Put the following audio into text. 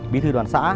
bí thư đoàn xã